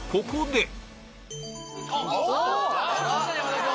ここで。